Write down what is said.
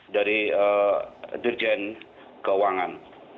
dari dirjen keuangan